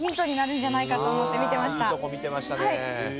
いいとこ見てましたね。